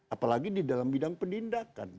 apalagi di dalam bidang penindakan